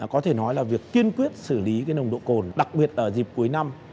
có thể nói là việc kiên quyết xử lý nồng độ cồn đặc biệt dịp cuối năm